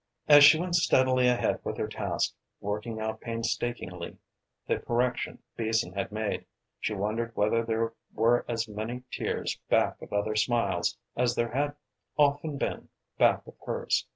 As she went steadily ahead with her task, working out painstakingly the correction Beason had made, she wondered whether there were as many tears back of other smiles as there had often been back of hers.